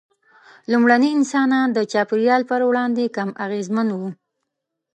لومړني انسانان د چاپېریال پر وړاندې کم اغېزمن وو.